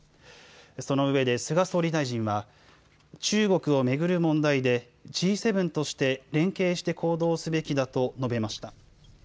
その上で菅総理大臣は中国をめぐる問題でＧ７として連携して行動すべきだと述べました。